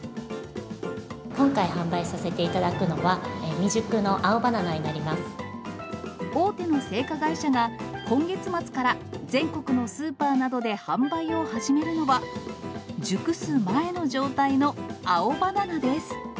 今回販売させていただくのは、大手の青果会社が、今月末から全国のスーパーなどで販売を始めるのは、熟す前の状態の青バナナです。